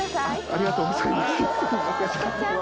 ありがとうございます。